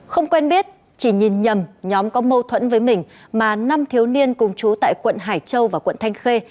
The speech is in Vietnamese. không quen biết chỉ nhìn nhầm nhóm có mâu thuẫn với mình mà năm thiếu niên cùng chú tại quận hải châu và quận thanh khê